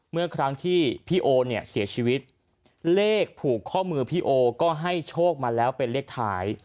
เมื่อครั้งที่พี่โอเนี่ยเสียชีวิตเลขผูกข้อมือพี่โอก็ให้โชคมาแล้วเป็นเลขท้าย